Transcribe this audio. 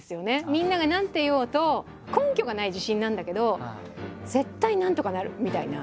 みんなが何て言おうと根拠がない自信なんだけど絶対なんとかなる！みたいな。